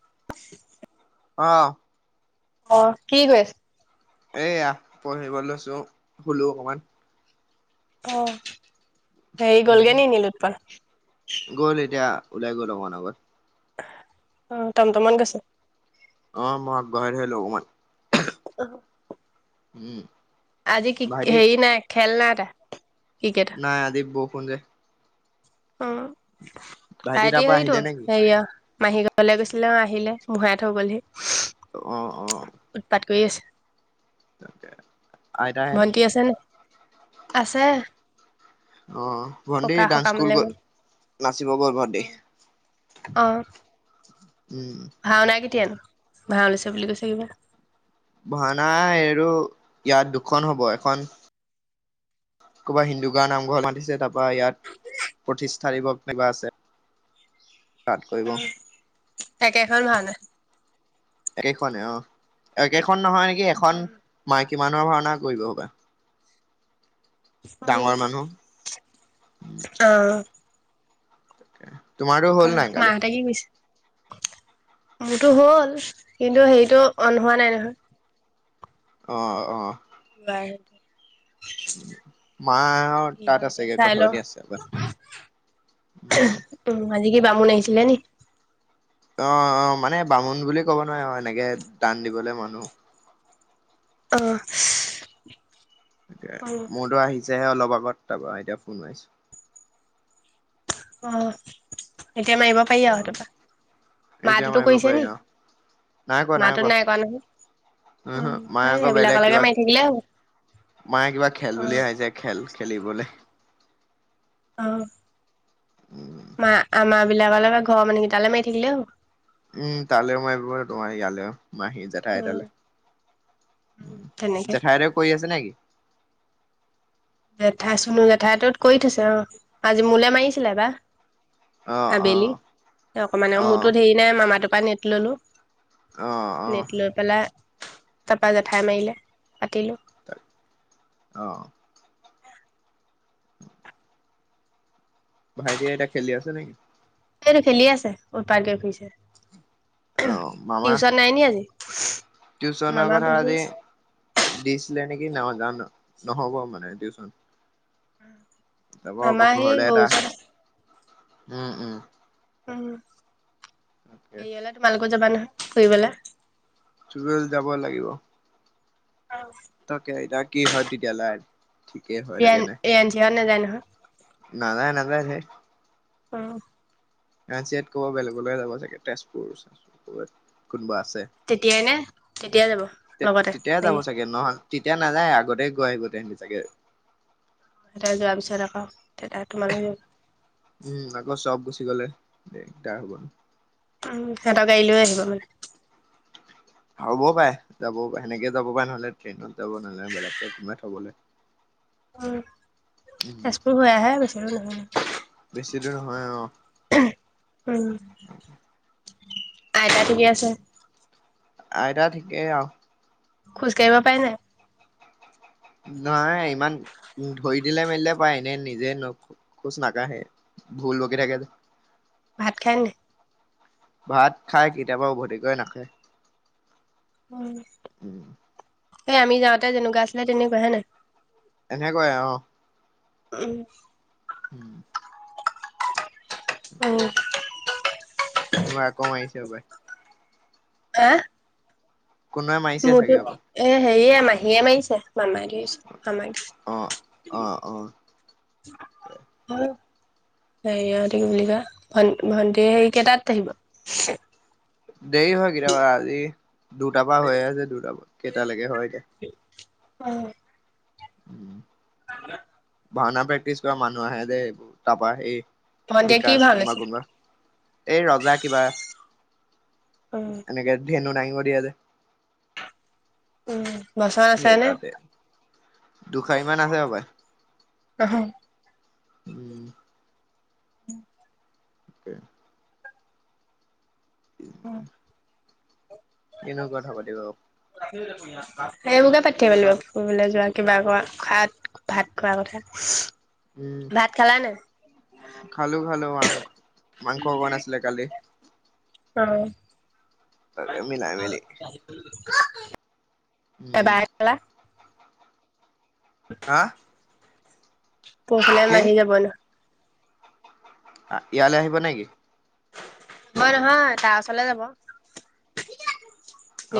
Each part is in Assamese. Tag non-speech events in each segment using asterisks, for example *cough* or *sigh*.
*inaudible* অ'। অ', কি কৰি আছ এইয়া পঢ়িব লৈছো, শুলো অকমান। অ'। হেই উম গ'লগে নি, নিলোৎপল? গ'ল এতিয়া, ওলাই গ'ল অকমান আগত। অ', টমটমত গৈছে। অ', মই আগবঢ়াই থৈ আহিলো অকমান। উম। আজি কিক ভাইটি হেই নাই খেল নাই তাৰ। ক্ৰিকেটৰ নাই আজি ব *unintelligible* যে। অ', তাৰ ভাইটি পৰা সেইতো, আহিলে নেকি হেৰিয়া মাহী *unintelligible* গৈছিলে, অ', আহিলে মোহাই থৈ গ'লহি। অ', অ'। উৎপাত কৰি আছে। তাকে আইতাহেত ভন্টি আছেনে? আছে। অ', ভণ্টী ককা ডান্স স্কুল সকামলে গল? নাচিব গল ভণ্টি, উম। ভাওঁনা কেতিয়ানো, ভাওঁ লৈছে বুলি কৈছে কিবা। ভাওনা এইটো ইয়াত দুখন হ'ব, এখন ক'ৰবাত হিন্দু গাঁৱ নামঘৰত মাতিছে, তাৰপৰা ইয়াত প্ৰতিষ্ঠা দিৱস কিবা আছে। তাত কৰিব। একেখন ভাওঁনা। একে খনে, অ'। একেখন নহয় নেকি, এখন মা কিমানৰ ভাওঁনা কৰিব হ'বা। *inaudible* অ'হ। *inaudible* তোমাৰো হ'ল নাই কালি? মাহঁতে কি কৰিছে মোৰতো হ'ল কিন্তু হেৰিটো অন হোৱা নাই নহয়। অহ অহ। বাৰু। মা হত তাত হয় এতিয়া আছেগে চাই কথা লওঁ পাতি আছে, উম। উম আজি কি বামুণ আহছিলে নি? অহ অহ মানে বামুণ বুলি ক'ব নোৱাৰি আৰু এনেকে দান দিবলৈ মানুহ অহ। এ *unintelligible* মোৰতো আহিছে হে অলপ আগত, তাৰপা এতিয়া ফোন মাৰিছো অহ। উম এতিয়া মাহতোতো মাৰিব কৰিছে পাৰি নি অহ, নাই কোৱা নাই মাহটোত কোৱা, কৰা নহয় উহো, উম মায়ে এই আকৌ বেলেগ সেইবিলাকলৈকে কিবা, মাৰি থাকিলে হ'ব মায়ে কিবা খেল অ বুলি ভাবিছে, খেল খেলিবলে অহ। উম মা আমা বিলাকৰ লগত ঘৰ মানুহ গিতালে মাৰি থাকিলেই হব। উম তালৈও মাৰিব তোমাৰ ইয়ালৈও মাহী উম জেঠাইতালে, উম তেনেকে জেঠাই হতেও কৰি আছে নেকি? জেঠাই চুনো জেঠাই তোত কৰি থৈছে অঁ, আজি মোলে মাৰিছিলে এবাৰ অ অ আবেলি। অকমানে অ মোৰতোত ধেৰি নাই মামাতো পান এট ললো। অ অ নেট লৈ পেলাই তাৰপা জেঠায়ে মাৰিলে, পাতিলো। অঁ। ভাইটি এটিয়া খেলি আছে নে'কি? সেইটো খেলি আছে, উত্পাত কৰি অ ফুৰিছে। মামা টিউচন নাই নি আজি? *inaudible* টিউচনৰ মামা কথা বহি আজি, আছে দিছিলে নি কি, নাজানো, নহ'ব মানে টিউচন। উম। *unintelligible* যাব আকৌ মামা সেই ঘৰলে গৰু এটা ওচৰত আছে। উম উম। উম তাকে হেৰিয়ালে তোমাল- আকৌ যাবা নহয় ফুৰিবলে? তুমিও যাব লাগিব অহ তাকে এতিয়া কি হয় তেতিয়ালে এন এঞ্জিও নাযায় নহয়। নাযায় নাযায় অহ কাঞ্চি ইয়াত ক'বা বেলেগলৈ যাব চাগে তেজপুৰত চেচপুৰ কোনবা আছে তেতিয়াই নে তেতিয়াই যাব তে লগতে তেতিয়াই যাব নেকি? চাগে নহয় তেতিয়া নাযায় আগতে গৈ আহিব তেনেহলে চাগে- তাই যোৱাৰ পিছত আকৌ তেতিয়া তোমালৈও- উম আকৌ চব গুচি গ'লে একটা হ'ব উম সিহঁতৰ গাড়ী লৈ আহিব মানে হ'বও পায় যাব সেনেকে যাব পায় নহ'লে ট্ৰেইনত যাব নহ'লে বেলেগকে কোনোবাই থবলৈ অ, উম তেজপুৰ হৈ আহে বেছি দুৰ নহয় বেছি দূৰ নহয় উম, অহ আইতা ঠিকে আছে? আইতা ঠিকেই অহ খোজ কাঢ়িব পাৰে নাই? নাই ইমান, ধৰি দিলে মেলিলে পায় এনে নিজে ন খোজ নাকাঢ়ে ভুল বকি থাকে যে ভাত খায়নে নাই? ভাত খায় কেতিয়াবা উভতি গৈ নাখায়। উম সে আমি যাওঁতে যেনেকুৱা আছিল তেনেকুৱাহে নে এনেকুৱায় অহ উম উম। তোমাৰ আকৌ মাৰিছে হবপাই এ? কোনোবাই মাৰিছে চাগে হপাই মোৰটোত এ হেৰীয়ে- মাহীয়ে মাৰিছে মামায় ধৰিছে। মামায় অ অ ধৰিছে অ হে ইহঁতে কি বুলি কয় ভন ভন্টিৰ ই কেইটাত আহিব? দেৰি হয় কেতিয়াবা আজি দুটাৰ পৰা হৈয়ে আছে দুটাৰ পৰা কেইটালৈকে হয় এতিয়া অ উম *unintelligible* ভাওনা প্ৰেক্টিচ কৰা মানুহ আহে যে এই তাৰপৰা সেই। ভন্টিয়ে কি বিকাশ ভাও কোনোবা লৈছে? কোনোবা এই ৰজা কিবা এনেকে ধেনু নাই। সদিয়া যে। *unintelligible* সেই নে? তাতে দুষাৰি মান আছে হপায়? উম। *unintelligible* *unintelligible* *inaudible* কিনো কথা পাতিব। সেইবোৰোকে পাতি থাকিব লাগিব ফুৰিবলৈ যোৱা কিবা কৰা খাত ভাত খোৱা কথা। উম ভাত খালা নে? খালো খালো মাং মাংস অকণ আছিলে কালি অ! তাকে মিলাই মিলি *inaudible* *unintelligible* হা! পৰহিলৈ কি মাহী যাব ন ইয়ালৈ আহিব নেকি? মই, নহয় তাৰ ওচৰলে যাব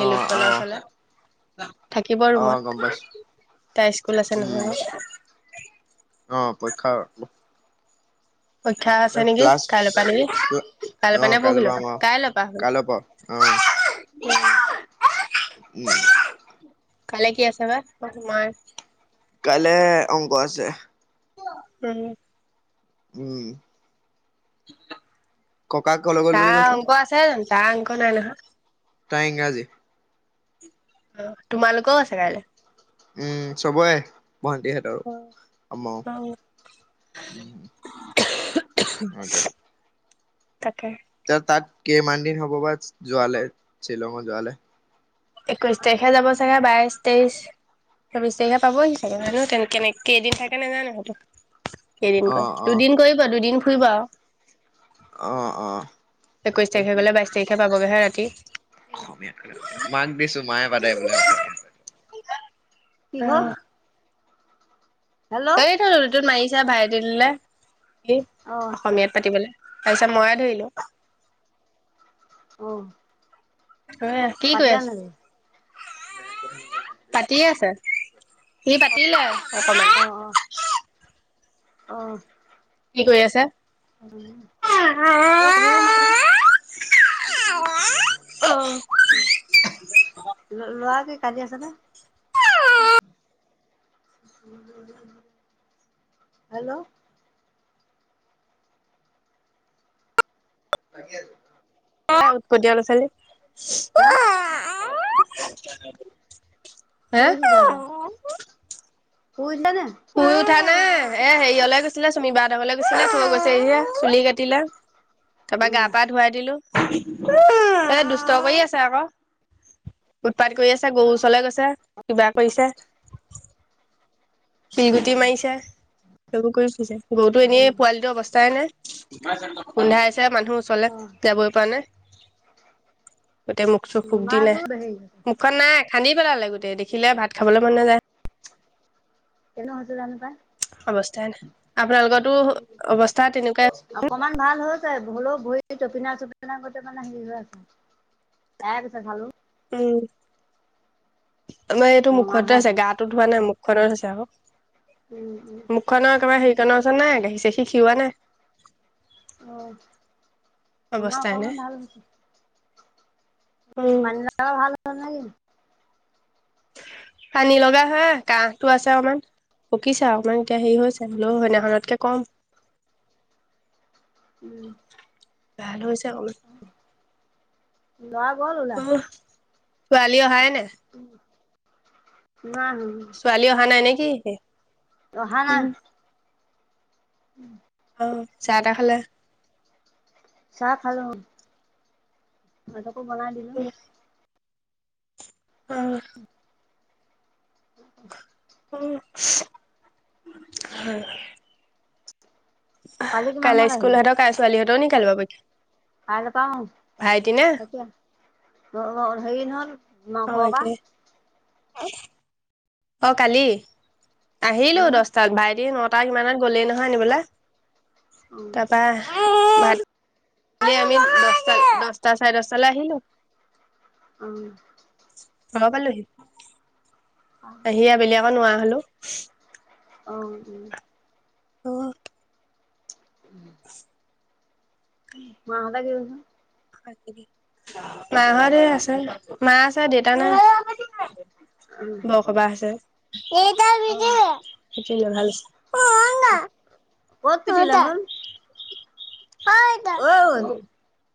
অ অ ওচৰলে, *inaudible* থাকিব অ গম ৰুমত পাইছো তাই স্কুল আছে উম নহয়। অ পৰীক্ষাৰ, পৰীক্ষা আছে নেকি কাইলৈৰ পৰা নেকি কাইলৈৰ অ পৰা নে কাইলৈ পৰহি পৰা আমাৰ কাইলৈ কাইলৈ অ পৰা উম! উম কাইলৈ কি আছে বা তোমাৰ কাইলে অংক আছে। উম! উম! ককাক কলৈ গ'ল বুলি তাৰ কৈছিলে অংক আছে জানো। তাৰ অংক নাই নহয়, তাৰ ইংৰাজী। উম! তোমালোকৰো আছে কাইলৈ, উম চবৰে। ভন্টিহঁতৰো অ আমাৰো উম। *unintelligible* তাকে। ত তাত কেইমান দিন হ'ব বা যোৱালে শ্বিলঙত যোৱালে। একৈশ তাৰিখে যাব চাগে বাইশ তেইশ চৌবিশ তাৰিখে পাবহি চাগে কেনে কেইদিন থাকে নেজানো সেইটো। কেইদিন অ কয় অ দুদিন কৰিব দুদিন। ঘূৰিব। অ অ। একৈশ তাকে তাৰিখে গ'লে বাইছ তাৰিখ। পাবগেহে ৰাতি। *unintelligible* মাক দিছোঁ মায়ে পাতে বোলে অসমীয়াত। কি হ'ল। হেল্ল' এইটোত মাৰিছা ভাই। *unintelligible* অ অসমীয়াত পাতিবলৈ। তাৰ পিছত মইয়ে ধৰিলোঁ। অ। অ কি কৈ পাতিলা আছ নেকি *unintelligible* পাতিয়ে আছে। সি পাতিলে। অকমান। অ অ অ। কি কৰি আছে। *unintelligible* অ ল'ৰাক। কালি আছে নে *inaudible* হেল্ল'। *unintelligible* উৎপটীয়া হা ল'ৰা ছোৱালী। *unintelligible* কোন যাবা। *unintelligible* উঠা নাহ। *inaudible* শুই উঠা নাই এ হেৰিয়লে গৈছিলে চুমিবা হঁতলৈ গৈছিলে থৈ গৈছে চুলি কাটিলে। তাৰ পৰা গা-পা ধুৱাই দিলোঁ। দুষ্ট কৰি আছে আকৌ উৎপাত কৰি আছে গৰু ওচৰলে গৈছে কিবা কৰিছে। *inaudible* শিলগুটি মাৰিছে। সেইবোৰ কৰি ফুৰিছে। গৰুটো অ এনেই পোৱালিটো অৱস্থাই নাই। গোন্ধাই মানুহ ওচৰলে অ যাবই পৰা নাই গোটেই মুখ চুখ ফুক দি মাৰটো নাই হেৰি মুখা নাই খান্দি পেলালে গোটেই দেখিলে ভাত খাবলে মন নাযায়। কেলে হৈছে জানো পাই অৱস্থা নাই আপোনালোকো অৱস্থা তেনেকুৱাই অকমান ভাল হৈ হৈছে, হ'লেও ভৰি টপিনা চপিনা গোটেই মানে হেৰি হৈ আছে। এয়াই গৈছে জালো *unintelligible* উম আমাৰ এইটো ৰঙা হৈ মুখতে আছে। গাটো ধোৱা নাই মোক খৰধৰ হৈছে আক। উম উম মুখৰ একেবাৰে হেই কীৰ্তনৰ ওচৰত নাই। গাখীৰ-চাখীৰ খিৰোৱা নাই। অ তোমাৰ অৱস্থাই নাই অকনমান ভাল, উম পানী লগা ভাল, *unintelligible* পানী লগা হে কাহটো আছে অকমান পকিছে অকনমান। এতিয়া হেৰি হৈছে হ'লেও সেইদিনাখনতকে কম। উম, *unintelligible* ল'ৰা গ'ল উলাই, অ ছোৱালী অহাই নাই। উম, ছোৱালী অহা নাই নেকি। *unintelligible* অহা নাই। উম *inaudible* অ চাহ তাহ খালে। চাহ খালো। টো বনাই দিলো। অহ। *inaudible* অহ হয়। কালি কিমান কাইলে সময়ত স্কুল হেতক কাই ছোৱালীহত দ নি কালি পা পৰীক্ষা কাইলপা অ। ভাইটি নে কেতিয়া? ল ল ধেই নহন নভবা- আহ *unintelligible* অ- কালি। আহিলো উম দহটাত বাইদিন ন *unintelligible* তাক ইমানত গ'লেই নহয় আনিবলৈ। উম তাৰপা- আমি দটা দশটা চাৰে দশটা লৈ আহিলো। অ। ঘৰ পালোহি। অ' সি আ বেলোকো নোৱা হেল্ল'। অ' উম। *unintelligible* *inaudible* *unintelligible* মাহতে আছে মা আছে দেউতা নাই। উম বৰসবাহ আছে। *unintelligible* অ'। সেইটোৱে *unintelligible* ভাল। ক'ত পিতিলে সোন। *unintelligible*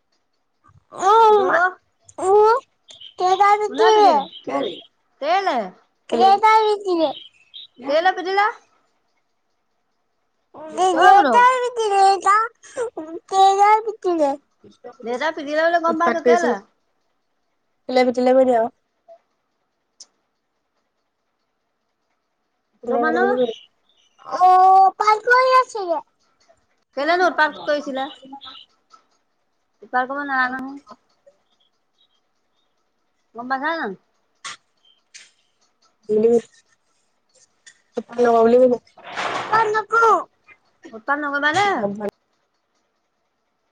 *unintelligible* দেতাই কোনে পিটিলে? কেলে পিতিলে *unintelligible* কেলে পিতিলে? অ বোলো *unintelligible* *unintelligible* দেতাই পিতিলে বুলি গম পাইছো, কেলে। *unintelligible* পিটিল ব দিয়ওঁ *unintelligible* *unintelligible* কেলেনো উৎপাত কৰিছিলা *unintelligible* উৎপাত কৰিব নালাগে নহয় গম পাইছা না *unintelligible* উৎপাত নকৰিবা দেই।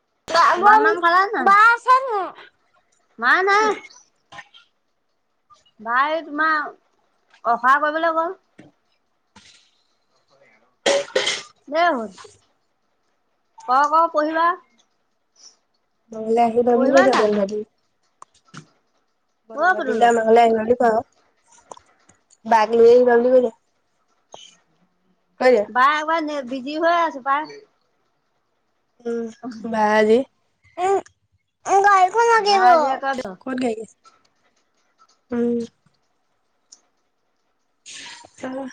*unintelligible* মা নাই। *inaudible* বাই তোমাৰ *unintelligible* কৰিবলৈ গ'ল। দেই হ'ল ক খ পঢ়িবা। ঘৰলে আহিবা বুলি পঢ়িবা কৈ নাই দিয়া। *unintelligible* বন্ধ দিলে পুতুলো নহ'লে আহিবা বুলি কোৱা। বাক লৈ আহিবা বুলি কৈ দিয়া। হয় নাই বা এবাৰ বিজি হৈ আছো। বা উম বা আজি। উম। গাড়ীখন বা লাগিব আজি আকৌ ক'ত গাড়ী আছে। উম। অ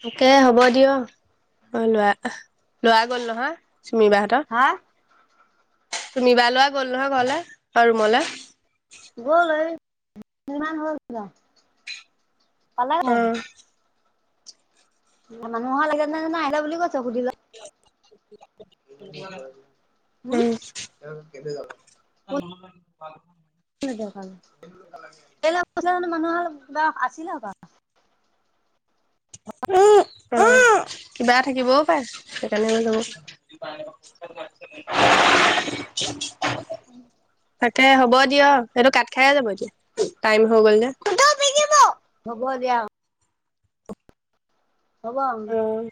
তাকে হ'ব দিয়ক অ লোৱা লোৱা গল নহয়। চুমি বাহঁতৰ। হা চুমি বাৰ লৰা গ'ল নহয় ঘৰলে অ ৰুমলে। কৰলৈ কিমান হ'ল পালে অ হ'ল। মানুহৰ লাগে *unintelligible* আহিলা বুলি কৈছ সুধিল উম। *unintelligible* কেলে গৈছে জানো মানুহ হালৰ কিবা আছিলে *unintelligible* *unintelligible* কিবা থাকিবও পায়। সেইকাৰণে বোলো তাকে হব দিয়ক এইটো কাত খাই যাব এতিয়া টাইম হৈ গল যে। হ'ব দিয়া হব। অ'।